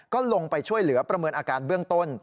ก็ลงไปช่วยเหลือประเมินอาการเบื้องต้น